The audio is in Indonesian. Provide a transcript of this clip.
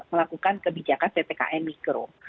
melakukan kebijakan ppkm mikro